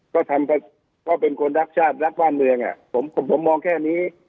ก็ทำก็เป็นคนรักชาติรักบ้านเมืองผมมองแค่นี้